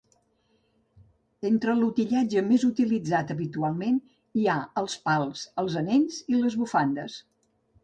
Entre l'utillatge més utilitzat habitualment hi ha els pals, els anells i les bufandes.